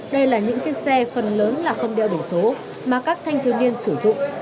đây là những chiếc xe phần lớn là không đeo biển số mà các thanh thiếu niên sử dụng